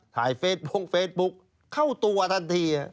ถ่ายเฟสบุ๊คเฟสบุ๊คเข้าตัวทันที